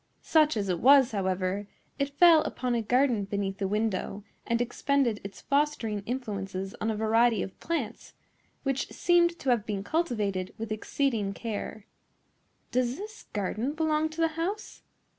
Such as it was, however, it fell upon a garden beneath the window and expended its fostering influences on a variety of plants, which seemed to have been cultivated with exceeding care. "Does this garden belong to the house?"